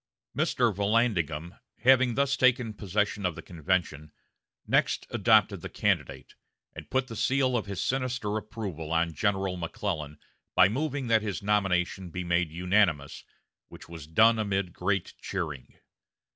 Mr. Vallandigham, having thus taken possession of the convention, next adopted the candidate, and put the seal of his sinister approval on General McClellan by moving that his nomination be made unanimous, which was done amid great cheering.